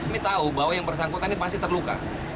ini tahu bahwa yang bersangkutan ini pasti terluka